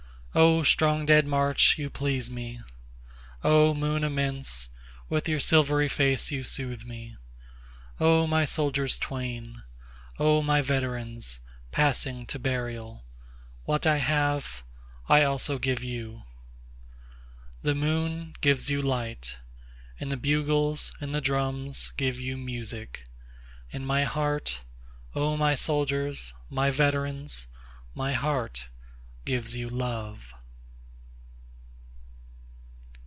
8O strong dead march, you please me!O moon immense, with your silvery face you soothe me!O my soldiers twain! O my veterans, passing to burial! What I have I also give you.9The moon gives you light, And the bugles and the drums give you music; And my heart, O my soldiers, my veterans, My heart gives you love.